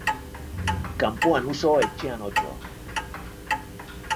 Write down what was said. Kanpoan uso, etxean otso